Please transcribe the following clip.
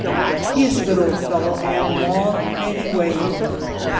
He is a good old fellow, and "long may he wave."